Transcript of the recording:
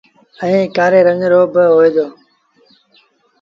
ائيٚݩ ڪآري رنگ رو با هوئي دو۔